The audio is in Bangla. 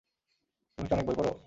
তুমি কি অনেক বই পড়?